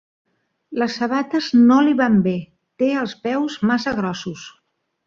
Les sabates no li van bé, té els peus massa grossos.